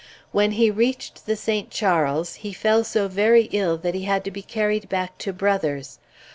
When he reached the St. Charles, he fell so very ill that he had to be carried back to Brother's.